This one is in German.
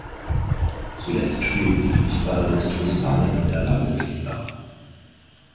Zuletzt spielten die Fußballer des TuS Walle in der Landesliga.